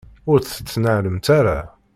Ur t-tettnalemt ara.